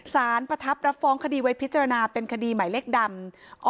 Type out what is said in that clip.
สารประทับรับฟ้องคดีไวพิจารณาเป็นคดีหมายเลขดำอ๒๐๔๗๒๕